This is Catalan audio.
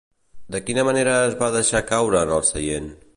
De quina manera es va deixar caure en el seient?